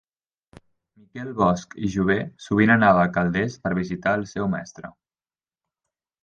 Miquel Bosch i Jover sovint anava a Calders per visitar el seu mestre.